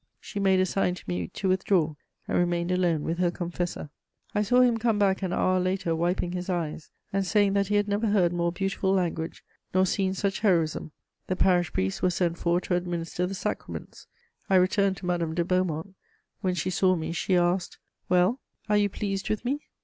She made a sign to me to withdraw, and remained alone with her confessor. I saw him come back an hour later, wiping his eyes, and saying that he had never heard more beautiful language, nor seen such heroism. The parish priest was sent for to administer the sacraments. I returned to Madame de Beaumont. When she saw me, she asked: "Well, are you pleased with me?"